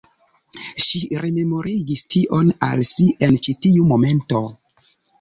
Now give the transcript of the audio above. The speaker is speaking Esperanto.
Ŝi rememorigis tion al si en ĉi tiu momento.